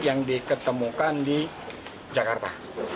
yang diketemukan di jakarta